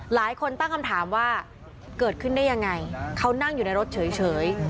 หลายคนตั้งคำถามว่าเกิดขึ้นได้ยังไงเขานั่งอยู่ในรถเฉย